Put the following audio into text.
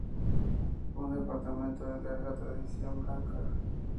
Un departamento de larga tradición blanca.